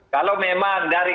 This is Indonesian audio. kalau memang dari